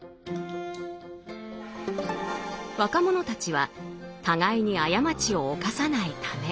若者たちは互いに過ちを犯さないため。